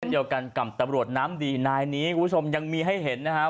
เดียวกันกับตำรวจน้ำดีนายนี้คุณผู้ชมยังมีให้เห็นนะครับ